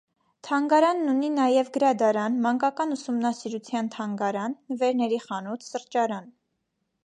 Թանգարանն ունի նաև գրադարան, մանկական ուսումնասիրության թանգարան, նվերների խանութ, սրճարան։